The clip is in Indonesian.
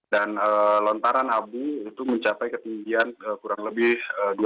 dan lontaran abu itu mencapai ketinggian kurang lebih dua